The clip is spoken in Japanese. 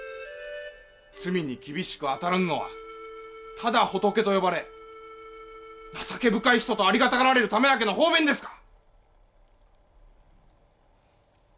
罪に厳しく当たらぬのはただ仏と呼ばれ情け深い人とありがたがられるためだけの方便ですか！